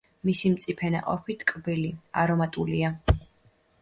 მისი მწიფე ნაყოფი ტკბილი, არომატულია.